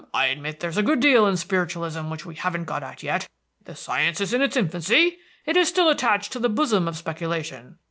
I admit there's a good deal in spiritualism which we haven't got at yet; the science is in its infancy; it is still attached to the bosom of speculation.